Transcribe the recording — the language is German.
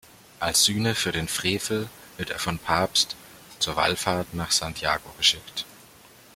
Als Sühne für den Frevel wird er vom Papst zur Wallfahrt nach Santiago geschickt.